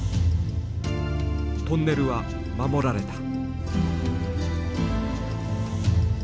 トンネルは守られた。